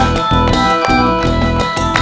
น่ะเอ่อน่ะ